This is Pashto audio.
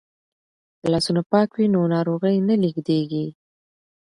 که لاسونه پاک وي نو ناروغي نه لیږدیږي.